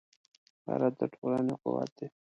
غیرت د ټولنې قوت دی